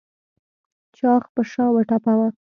چاغ په شا وټپوه.